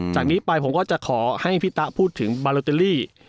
จากนี้ไปผมก็จะขอให้พี่ตะพูดถึงบาโลเตอรี่